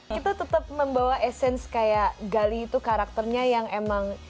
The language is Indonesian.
kita tetap membawa esseins kayak gali itu karakternya yang emang